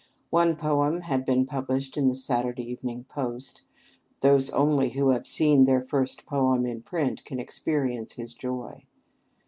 One poem had been published in the "Saturday Evening Post." Those only who have seen their first poem in print can experience his joy.